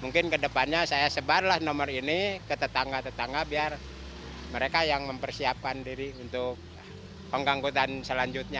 mungkin kedepannya saya sebarlah nomor ini ke tetangga tetangga biar mereka yang mempersiapkan diri untuk pengangkutan selanjutnya